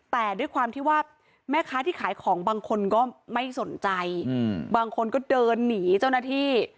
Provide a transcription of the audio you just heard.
แต่ด้วยความที่ว่าแม่ค้าที่ขายของบางคนก็ไม่สนใจบางคนก็เดินหนีเจ้าหน้าที่